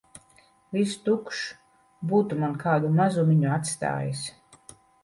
Viss tukšs. Būtu man kādu mazumiņu atstājis!